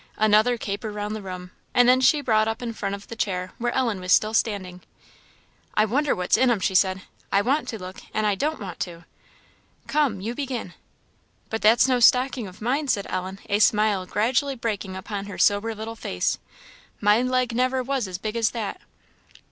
Another caper round the room, and then she brought up in front of the chair, where Ellen was still standing. "I wonder what's in 'em," she said; "I want to look, and I don't want, too. Come, you begin." "But that's no stocking of mine," said Ellen, a smile gradually breaking upon her sober little face; "my leg never was as big as that."